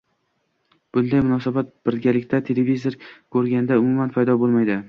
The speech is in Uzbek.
Bunday munosabat birgalikda televizor ko‘rganda umuman paydo bo‘lmaydi.